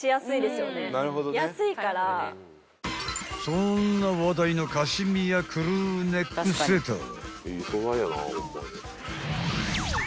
［そんな話題のカシミヤクルーネックセーター］